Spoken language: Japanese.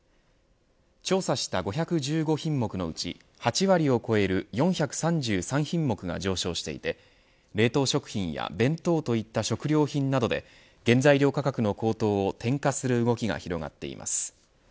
調査した５１５品目のうち８割を超える４３３品目が上昇していて冷凍食品や弁当といった食料品などで原材料価格の高騰を転嫁する動きが広がっています。